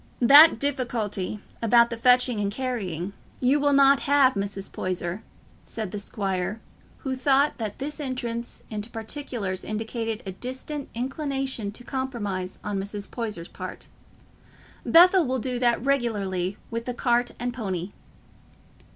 "That difficulty—about the fetching and carrying—you will not have, Mrs. Poyser," said the squire, who thought that this entrance into particulars indicated a distant inclination to compromise on Mrs. Poyser's part. "Bethell will do that regularly with the cart and pony."